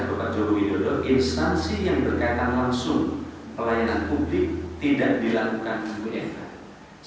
widodo instansi yang berkaitan langsung pelayanan publik tidak dilakukan wfi